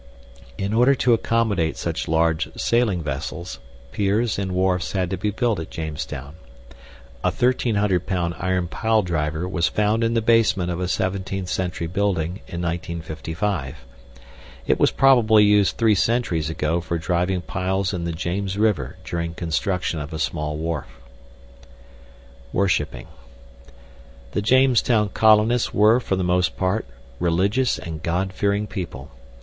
In order to accommodate such large sailing vessels, piers and wharfs had to be built at Jamestown. A 1,300 pound iron piledriver was found in the basement of a 17th century building in 1955. It was probably used three centuries ago for driving piles in the James River during construction of a small wharf. Worshipping The Jamestown colonists were, for the most part, religious and God fearing people.